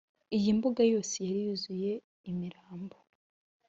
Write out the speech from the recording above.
iyi mbuga yose yari yuzuye imirambo